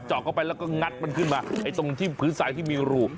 เข้าไปแล้วก็งัดมันขึ้นมาไอ้ตรงที่พื้นทรายที่มีรู